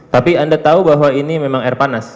tapi anda tahu bahwa ini memang air panas